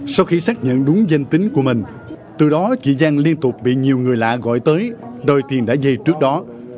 sau khi xác nhận đúng danh tính của mình từ đó chị giang liên tục bị nhiều người lạ gọi tới đòi tiền đã về trước đó